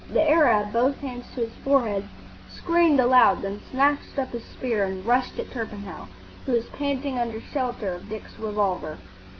The Arab, both hands to his forehead, screamed aloud, then snatched up his spear and rushed at Torpenhow, who was panting under shelter of Dick's revolver.